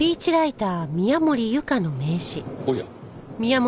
おや。